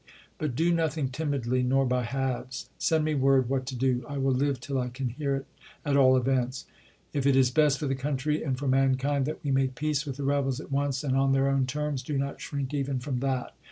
But do nothing timidly nor by halves. Send me word what to do. I will live till I can hear it at all events. If it is best for the country and for mankind that we make peace with the rebels at once and on their own terms, do not shrink even from that.